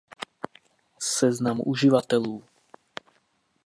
Seznamu uživatelů.